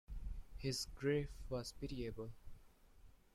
His grief was pitiable.